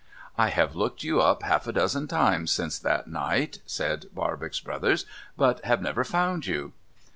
' I have looked you up half a dozen times since that night,' said Barbox Brothers, ' but have never found you.'